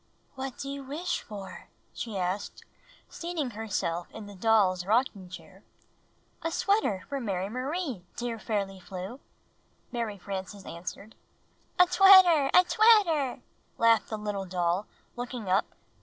"What do you wish for?" she asked, seating her self in the doll's rocking chair. ''A sweater for Mary Marie, dear Fairly Flew," Mary Frances answered. ''A twetter! A twetter!" laughed the little doll, looking up.